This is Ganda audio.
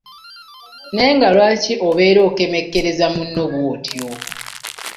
Naye nga lwaki obeera okemekkereza munno bw’otyo?